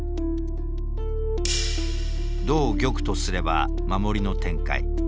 同玉とすれば守りの展開。